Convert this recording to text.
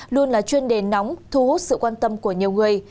luôn là chuyên đề nóng thu hút sự quan tâm của nhiều người